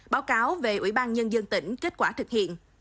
báo cáo về ủy ban nhân dân tỉnh kết quả thực hiện